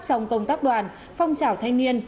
trong công tác đoàn phong trào thanh niên